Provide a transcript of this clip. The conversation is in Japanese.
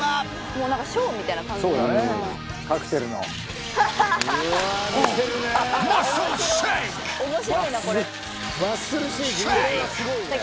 もう何かショーみたいな感じそうだね